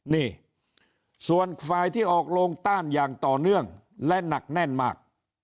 นี่ส่วนฝ่ายที่ออกโรงต้านอย่างต่อเนื่องและหนักแน่นมาก